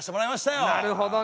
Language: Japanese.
なるほどね。